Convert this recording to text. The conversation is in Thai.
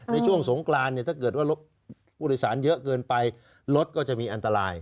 ในช่วงสงกรานเนี่ยถ้าเกิดว่ารถผู้โดยสารเยอะเกินไปรถก็จะมีอันตราย